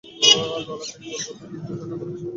ললাটে নির্মল বুদ্ধির দীপ্তি, চোখে গভীর সারল্যের সকরুণতা।